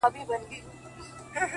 • دا غمى اوس له بــازاره دى لوېـدلى؛